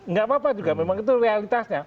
nggak apa apa juga memang itu realitasnya